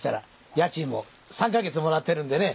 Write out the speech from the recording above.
家賃も３カ月もらってるんでね